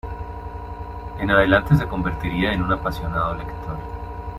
En adelante se convertiría en un apasionado lector.